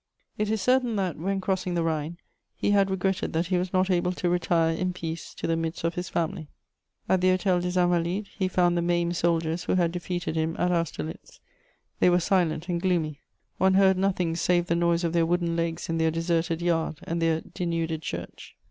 It is certain that, when crossing the Rhine, he had regretted that he was not able to retire in peace to the midst of his family. At the Hôtel des Invalides, he found the maimed soldiers who had defeated him at Austerlitz: they were silent and gloomy; one heard nothing save the noise of their wooden legs in their deserted yard and their denuded church.